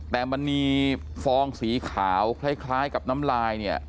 แต่มันมีฟองสีขาวคล้ายกับน้ำลายเนี่ย